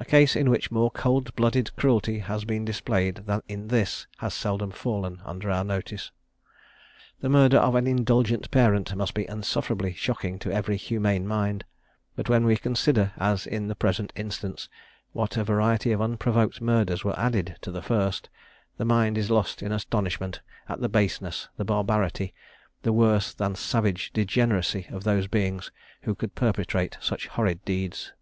A case in which more cold blooded cruelty has been displayed than in this, has seldom fallen under our notice. The murder of an indulgent parent must be insufferably shocking to every humane mind: but when we consider, as in the present instance, what a variety of unprovoked murders were added to the first, the mind is lost in astonishment at the baseness, the barbarity, the worse than savage degeneracy of those beings who could perpetrate such horrid deeds. [Illustration: _Jonathan Bradford discovered at the bedside of M. Hayes.